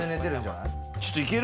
ちょっといける？